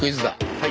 はい。